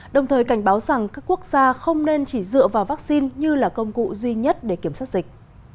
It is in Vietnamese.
đồng thời cảnh báo rằng các quốc gia không nên chỉ dựa vào vaccine như là công cụ duy nhất để kiểm soát dịch